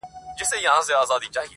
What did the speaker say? ظلم په محکمه کي -